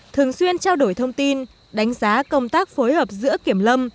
thường xuyên trao đổi thông tin đánh giá công tác phối hợp giữa kiểm lâm